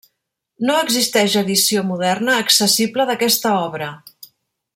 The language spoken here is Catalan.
No existeix edició moderna accessible d'aquesta obra.